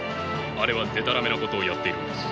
あれはでたらめなことをやっているのです。